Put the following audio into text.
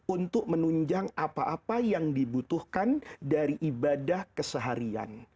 untuk menunjang apa apa yang dibutuhkan dari ibadah keseharian